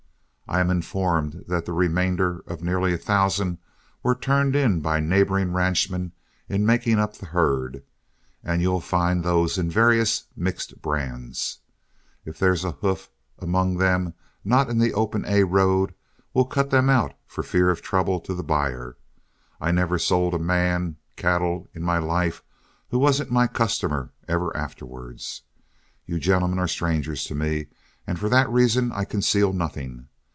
I am informed that the remainder of nearly a thousand were turned in by neighboring ranchmen in making up the herd, and you'll find those in various mixed brands. If there's a hoof among them not in the 'Open A' road, we'll cut them out for fear of trouble to the buyer. I never sold a man cattle in my life who wasn't my customer ever afterward. You gentlemen are strangers to me; and for that reason I conceal nothing.